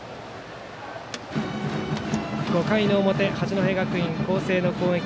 ５回の表、八戸学院光星の攻撃。